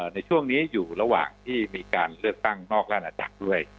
ในช่วงนี้อยู่ระหว่างที่มีการเลือกตั้งนอกราชนาจักรด้วย